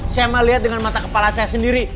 saya mau lihat dengan mata kepala saya sendiri